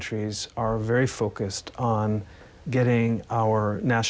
การรับประโยชน์มันเป็นประโยชน์ต้องถูกปรับ